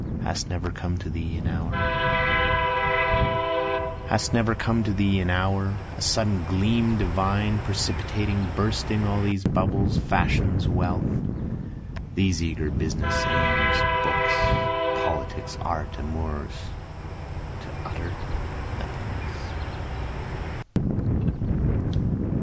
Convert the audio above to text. Hast Never Come to Thee an Hour Hast never come to thee an hour, A sudden gleam divine, precipitating, bursting all these bubbles, fashions, wealth? These eager business aims books, politics, art, amours, To utter nothingness?